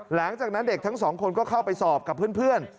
หลังจากนั้นเด็กทั้งสองคนก็เข้าไปสอบกับเพื่อน